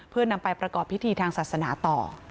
เพื่อนำไปประกอบพิธีทางศาสนาต่อ